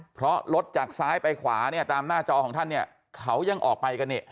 เพราะรถจากซ้ายไปขวาเนี่ยตามหน้าจอของท่านเนี่ยเขายังออกไปกันเนี่ย